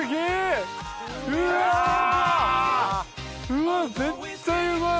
うわっ絶対うまい。